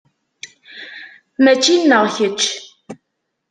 Mačči nneɣ kečč.